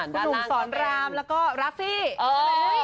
คุณหนุ่มสอนรามแล้วก็ราฟฟี่ย